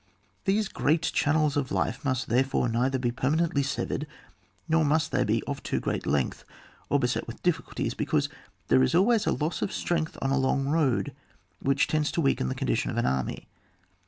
These great channels of life must there fore neither be permanently severed, nor must they be of too great length, or beset with difficulties, because there is always a loss of strength on a long road, which tends to weaken the condition of an army.